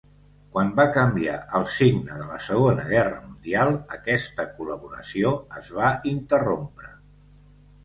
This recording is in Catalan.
Quan va canviar el signe de la Segona Guerra Mundial aquesta col·laboració es va interrompre.